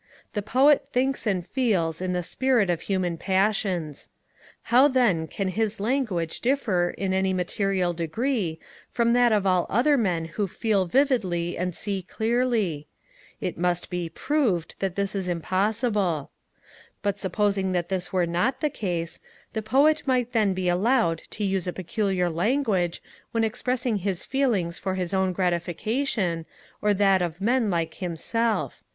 The Poet thinks and feels in the spirit of human passions. How, then, can his language differ in any material degree from that of all other men who feel vividly and see clearly? It might be proved that it is impossible. But supposing that this were not the case, the Poet might then be allowed to use a peculiar language when expressing his feelings for his own gratification, or that of men like himself.